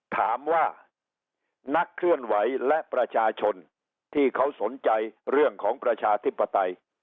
ถามว่านักเคลื่อนไหวและประชาชนที่เขาสนใจเรื่องของประชาธิปไตย